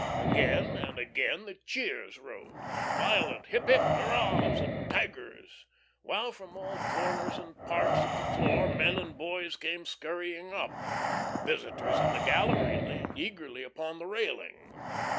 Again and again the cheers rose, violent hip hip hurrahs and tigers, while from all corners and parts of the floor men and boys came scurrying up. Visitors in the gallery leaned eagerly upon the railing.